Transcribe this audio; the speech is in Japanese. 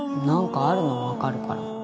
何かあるのは分かるから